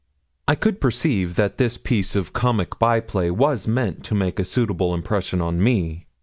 I could perceive that this piece of comic by play was meant to make a suitable impression on me.